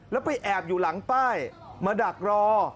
แล้วไปแอบอยู่หลังป้ายมาดักรอ